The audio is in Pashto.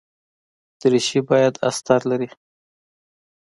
دریشي باید استر لري.